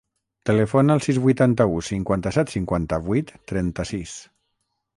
Telefona al sis, vuitanta-u, cinquanta-set, cinquanta-vuit, trenta-sis.